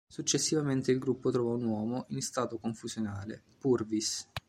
Successivamente il gruppo trova un uomo, in stato confusionale, Purvis.